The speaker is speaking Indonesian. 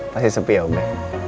pasti sepi ya om ya